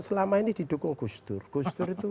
selama ini didukung kustur kustur itu